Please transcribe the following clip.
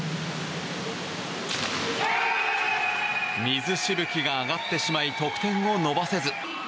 水しぶきが上がってしまい得点を伸ばせず。